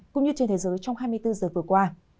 cũng như trên thế giới trong hai mươi bốn giờ vừa qua